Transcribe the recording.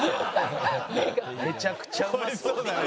「めちゃくちゃうまそうだね」